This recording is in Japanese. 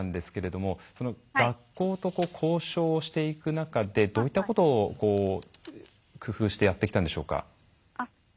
学校と交渉をしていく中でどういったことを工夫してやってきたんでしょうか？